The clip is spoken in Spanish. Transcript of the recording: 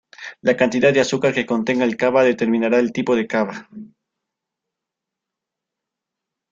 La cantidad de azúcar que contenga el cava determinará el tipo de cava.